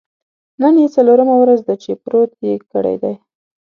نن یې څلورمه ورځ ده چې پروت یې کړی دی.